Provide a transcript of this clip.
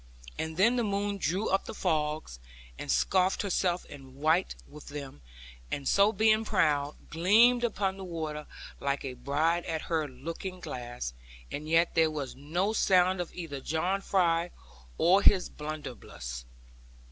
And then the moon drew up the fogs, and scarfed herself in white with them; and so being proud, gleamed upon the water, like a bride at her looking glass; and yet there was no sound of either John Fry, or his blunderbuss.